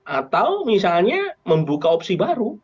atau misalnya membuka opsi baru